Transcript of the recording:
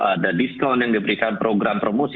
ada diskon yang diberikan program promosi